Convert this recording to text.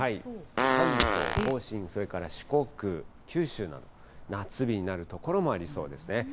関東甲信、それから四国、九州など、夏日になる所もありそうですね。